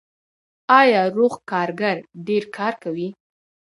آیا روغ کارګر ډیر کار کوي؟